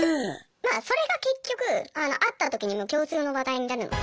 まあそれが結局会った時にも共通の話題になるので。